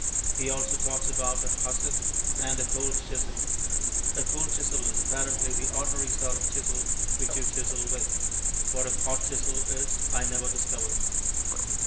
He also talks about a "hussif" and a "cold chisel." A cold chisel is apparently the ordinary sort of chisel which you chisel with; what a hot chisel is I never discovered.